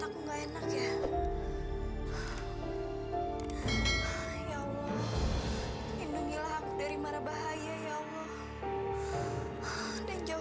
sekarang o kidding ya